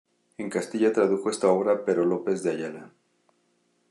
En Castilla tradujo esta obra Pero López de Ayala.